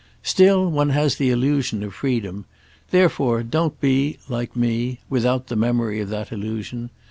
Still, one has the illusion of freedom; therefore don't be, like me, without the memory of that illusion.